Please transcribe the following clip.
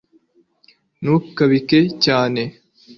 ntukabike cyane